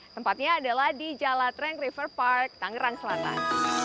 tempatnya adalah di jalet reng river park tangerang selatan